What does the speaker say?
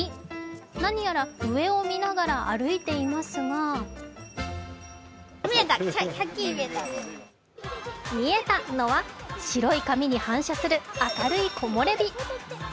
何やら上を見ながら歩いていますが見えたのは白い紙に反射する明るい木漏れ日。